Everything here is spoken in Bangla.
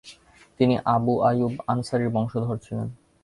তিনি আবু আইয়ুব আনসারির বংশধর ছিলেন।